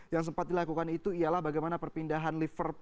yang sempat dilakukan itu ialah bagaimana perpindahan liverpoo